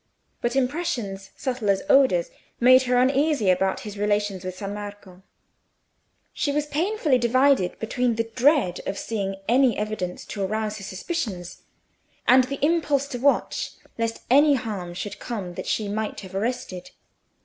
But impressions subtle as odours made her uneasy about his relations with San Marco. She was painfully divided between the dread of seeing any evidence to arouse her suspicions, and the impulse to watch lest any harm should come that she might have arrested.